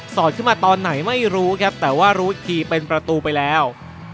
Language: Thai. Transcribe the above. อดขึ้นมาตอนไหนไม่รู้ครับแต่ว่ารู้อีกทีเป็นประตูไปแล้ว